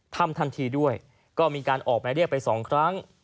ทำทันทีด้วยก็มีการออกหมายเรียกไปสองครั้ง